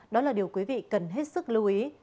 đó là điều quý vị cần hết sức lưu ý